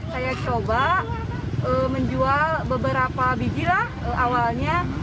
saya coba menjual beberapa biji lah awalnya